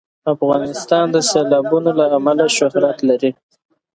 افغانستان د سیلابونه له امله شهرت لري.